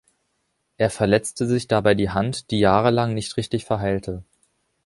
Er verletzte sich dabei die Hand, die jahrelang nicht richtig verheilte.